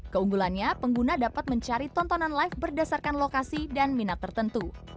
keunggulannya pengguna dapat mencari tontonan live berdasarkan lokasi dan minat tertentu